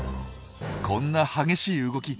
こんな激しい動き